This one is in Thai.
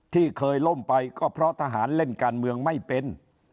ที่เคยล่มไปก็เพราะทหารเล่นการเมืองไม่เป็น